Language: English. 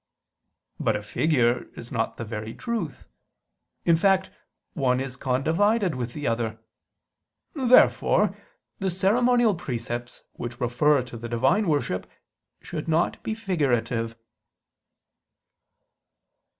But a figure is not the very truth: in fact one is condivided with the other. Therefore the ceremonial precepts, which refer to the Divine worship, should not be figurative.